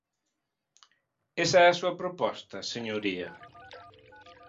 ¿Esa é a súa proposta, señoría?